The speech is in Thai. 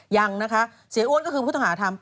ยังนะคะเสียอ้วนก็คือผู้ต้องหาทำ